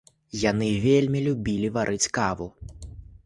Яны вельмі любілі варыць каву.